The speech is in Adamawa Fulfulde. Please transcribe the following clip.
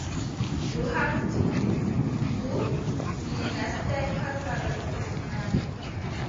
Ndu haɓdi, ndu, nyiʼe naastaay har laral huunyaare.